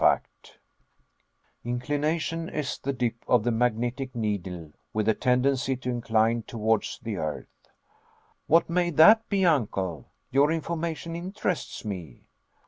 Inclination is the dip of the magnetic needle with a tendency to incline towards the earth. "What may that be, Uncle? Your information interests me."